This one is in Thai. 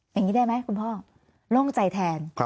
อย่างนี้ได้ไหมคุณพ่อโล่งใจแทน